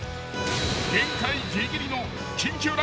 ［限界ギリギリの］